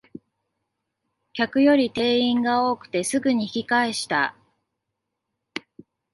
客より店員が多くてすぐに引き返した